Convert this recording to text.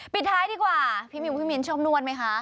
ปิดท้ายดีกว่าพี่มิวพี่มิ้นชอบนวดไหมคะ